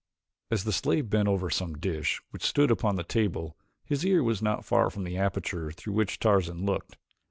As the slave bent over some dish which stood upon the table his ear was not far from the aperture through which Tarzan looked.